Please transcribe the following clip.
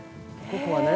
ここはね